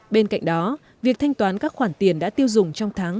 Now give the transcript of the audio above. bên cạnh đó việc thanh toán các khoản tiền đã tiêu dùng trong tháng